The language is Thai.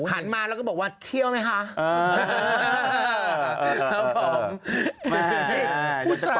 หันมาแล้วก็บอกว่าเที่ยวไหมคะ